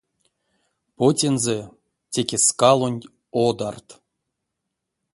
Потензэ теке скалонь одарт.